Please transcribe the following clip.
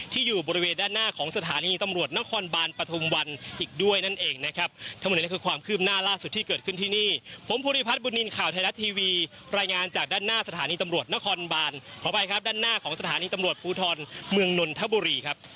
ที่อยู่บริเวณด้านหน้าของสถานีตำรวจนครบาลปฐมวัล